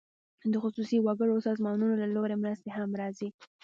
د خصوصي وګړو او سازمانونو له لوري مرستې هم راځي.